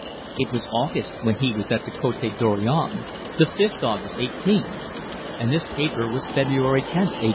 It was August when he was at the Cote Dorion, the 5th August, 18 , and this paper was February 10th, 18